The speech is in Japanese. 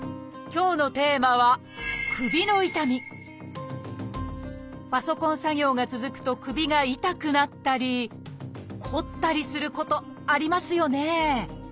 今日のテーマはパソコン作業が続くと首が痛くなったり凝ったりすることありますよね？